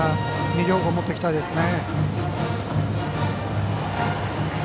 右方向に持っていきたいですね。